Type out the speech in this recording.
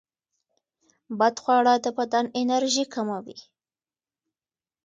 بدخواړه د بدن انرژي کموي.